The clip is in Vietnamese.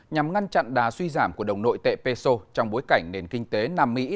nhằm ngăn chặn đà suy giảm của đồng nội tệ peso trong bối cảnh nền kinh tế nam mỹ